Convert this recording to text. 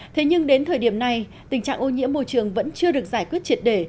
thế nhưng đến thời điểm này tình trạng ô nhiễm môi trường vẫn chưa được giải quyết triệt để